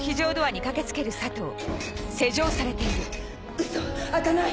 ウソ開かない！